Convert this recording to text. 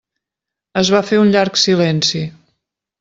Es va fer un llarg silenci.